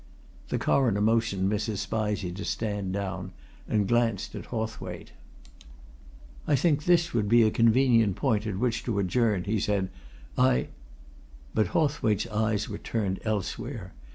The Coroner motioned Mrs. Spizey to stand down, and glanced at Hawthwaite. "I think this would be a convenient point at which to adjourn," he said. "I " But Hawthwaite's eyes were turned elsewhere.